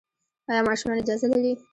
ایا ماشومان اجازه لري؟